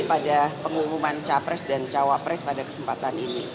pada pengumuman capres dan cawapres pada kesempatan ini